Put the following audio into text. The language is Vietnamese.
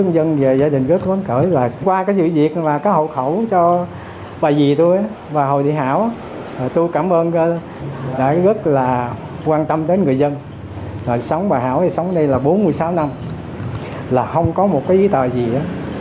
điều mà cả gia đình ông mong đợi suốt nhiều năm qua